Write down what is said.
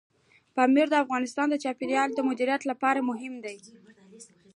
پامیر د افغانستان د چاپیریال د مدیریت لپاره مهم دی.